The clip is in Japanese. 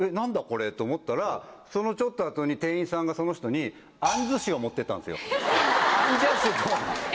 これ」と思ったらそのちょっと後に店員さんがその人にあんず酒を持って行ったんですよ。